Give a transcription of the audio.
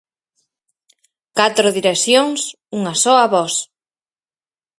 Catro direccións, unha soa Voz.